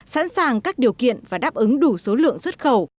sẵn sàng các điều kiện và đáp ứng đủ số lượng xuất khẩu